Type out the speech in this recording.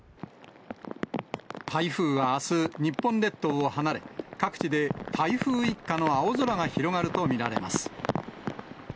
台風はあす、日本列島を離れ、各地で台風一過の青空が広がると見られます。